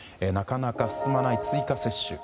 なかなか進まない追加接種。